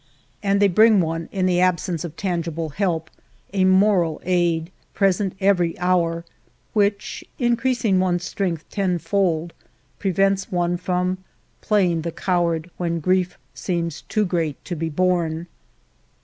And they bring one, in the absence of tangible help, a moral aid, present every hour, which, increasing one's strength ten fold, prevents one from playing the coward when grief seems too great to be borne."